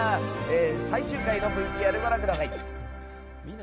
最終回のＶＴＲご覧ください。